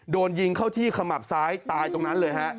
โดนยิงเข้าที่ขมับซ้ายตายตรงนั้นเลยฮะ